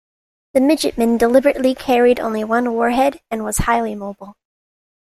The Midgetman deliberately carried only one warhead and was highly mobile.